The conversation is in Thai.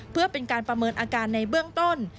เพื่อเป็นการประเมินอาการในเบื้องต้น